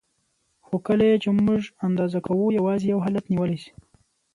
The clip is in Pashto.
خو کله یې چې موږ اندازه کوو یوازې یو حالت نیولی شي.